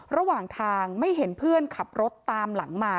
ระหว่างทางไม่เห็นเพื่อนขับรถตามหลังมา